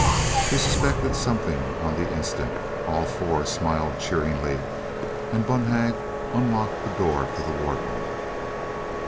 He suspected something on the instant. All four smiled cheeringly, and Bonhag unlocked the door for the warden.